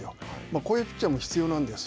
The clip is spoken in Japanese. こういうピッチャーも必要なんです。